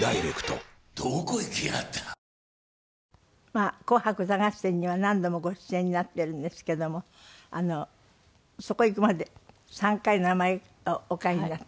まあ『紅白歌合戦』には何度もご出演になってるんですけどもそこへいくまで３回名前をお変えになった？